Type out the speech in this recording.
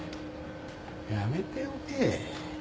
やめておけ。